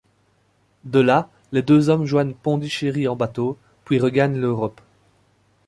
De là, les deux hommes joignent Pondichéry en bateau, puis regagnent l'Europe.